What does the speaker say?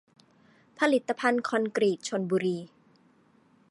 ผลิตภัณฑ์คอนกรีตชลบุรี